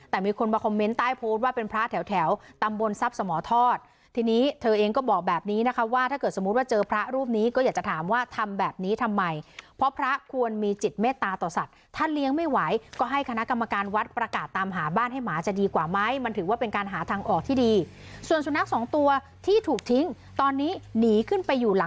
แต่มีคนมาคอมเมนต์ใต้โพสต์ว่าเป็นพระแถวแถวตำบลทรัพย์สมทอดทีนี้เธอเองก็บอกแบบนี้นะคะว่าถ้าเกิดสมมุติว่าเจอพระรูปนี้ก็อยากจะถามว่าทำแบบนี้ทำไมเพราะพระควรมีจิตเมตตาต่อสัตว์ถ้าเลี้ยงไม่ไหวก็ให้คณะกรรมการวัดประกาศตามหาบ้านให้หมาจะดีกว่าไหมมันถือว่าเป็นการหาทางออกที่ดีส่วนสุนัขสองตัวที่ถูกทิ้งตอนนี้หนีขึ้นไปอยู่หลัง